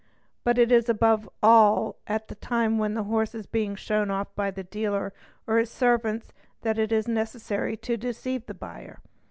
But it is above all at the time when the horse is being shown off by the dealer or his servants that it is necessary to deceive the buyer.